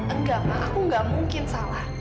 enggak pak aku gak mungkin salah